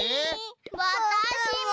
わたしも！